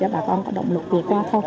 bà con có động lực vừa qua thôi